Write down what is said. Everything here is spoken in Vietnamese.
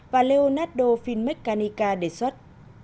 và leonardo finmeccanica đề xuất